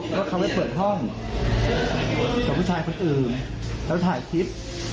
ก็เขาไปเปิดห้องกับผู้ชายคนอื่นแล้วถ่ายคลิป